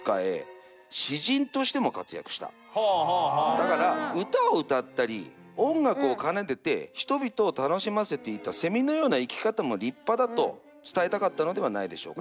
だから歌を歌ったり音楽を奏でて人々を楽しませていたセミのような生き方も立派だと伝えたかったのではないでしょうか。